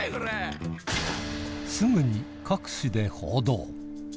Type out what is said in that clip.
すぐに各紙で報道。